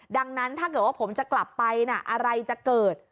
ดังนั้นถ้าเกิดว่าผมจะกลับไปนะอะไรจะเกิด